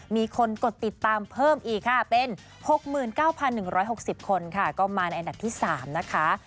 มีคนกดติดตามเพิ่มอีกค่ะเป็น๖๙๑๖๐คนค่ะก็มาในอันดับที่๓นะคะ